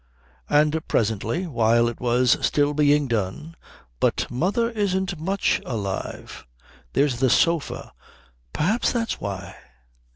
And presently, while it was still being done, "But mother isn't much alive there's the sofa perhaps that's why...."